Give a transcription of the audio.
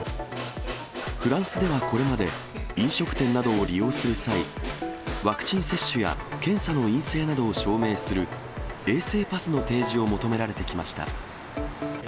フランスではこれまで、飲食店などを利用する際、ワクチン接種や検査の陰性などを証明する衛生パスの提示を求められてきました。